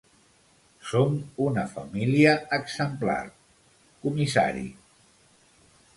Som una família exemplar, comissari.